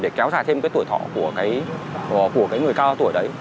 để kéo dài thêm cái tuổi thọ của cái người cao tuổi đấy